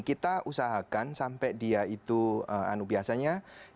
kita usahakan sampai dia itu anu biasanya